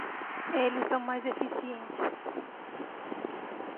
Eles são mais eficientes